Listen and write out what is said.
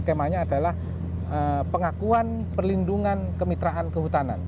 skemanya adalah pengakuan perlindungan kemitraan kehutanan